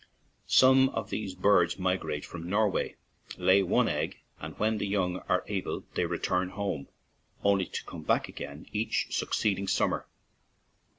Some of these birds migrate from Norway, lay one egg, and when the young are able they return home, only to come back again each succeeding summer.